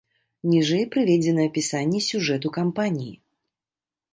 Ніжэй прыведзена апісанне сюжэту кампаніі.